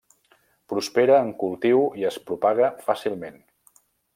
Prospera en cultiu i es propaga fàcilment.